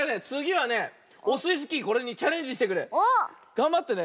がんばってね。